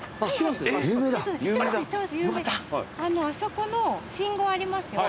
あそこの信号ありますよね。